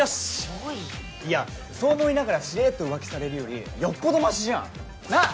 おいいやそう思いながらしれっと浮気されるよりよっぽどマシじゃんなぁ？